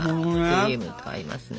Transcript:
クリームと合いますね。